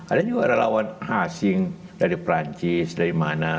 ada juga relawan asing dari perancis dari mana